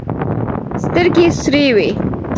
سترګې يې سورې وې.